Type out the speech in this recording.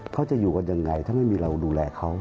เขาจะอยู่กันยังไงถ้าไม่มีเราดูแลเขา